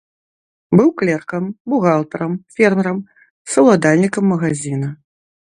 Быў клеркам, бухгалтарам, фермерам, саўладальнікам магазіна.